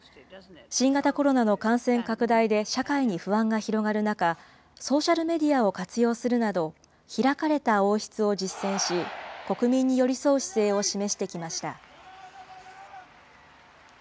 新型コロナの感染拡大で社会に不安が広がる中、ソーシャルメディアを活用するなど、開かれた王室を実践し、国民に寄り添う姿勢を示してきました。